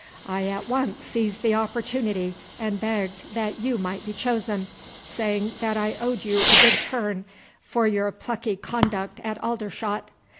I at once seized the opportunity and begged that you might be chosen, saying that I owed you a good turn for your plucky conduct at Aldershot.